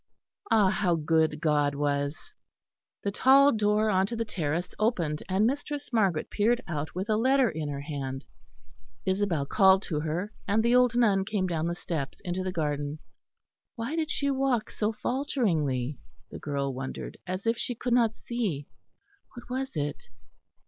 Ah! how good God was! The tall door on to the terrace opened, and Mistress Margaret peered out with a letter in her hand. Isabel called to her; and the old nun came down the steps into the garden. Why did she walk so falteringly, the girl wondered, as if she could not see? What was it?